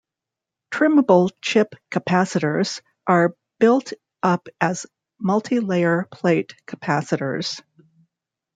Trimmable chip capacitors are built up as multilayer plate capacitors.